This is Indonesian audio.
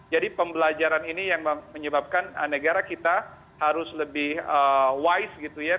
jadi pembelajaran ini yang menyebabkan negara kita harus lebih wise gitu ya